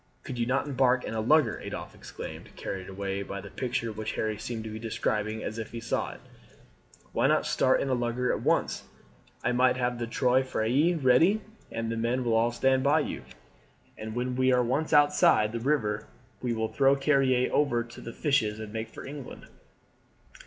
"Could you not embark in a lugger?" Adolphe exclaimed, carried away by the picture which Harry seemed to be describing as if he saw it. "Why not start in a lugger at once? I might have the Trois Freres ready, and the men will all stand by you; and when we are once outside the river we will throw Carrier over to the fishes and make for England."